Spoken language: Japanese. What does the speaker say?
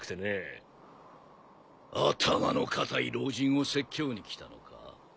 頭の固い老人を説教に来たのか？